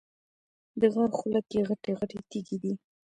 د غار خوله کې غټې غټې تیږې دي.